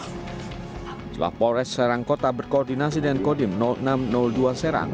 setelah polres serang kota berkoordinasi dengan kodim enam ratus dua serang